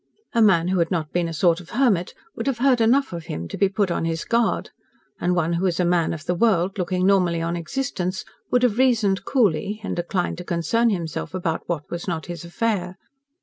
A man who had not been a sort of hermit would have heard enough of him to be put on his guard, and one who was a man of the world, looking normally on existence, would have reasoned coolly, and declined to concern himself about what was not his affair.